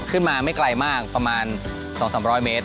ขึ้นมาไม่ไกลมากประมาณ๒๐๐๓๐๐เมตร